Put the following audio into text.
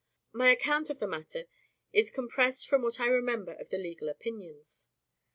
My account of the matter is compressed from what I remember of the legal opinions.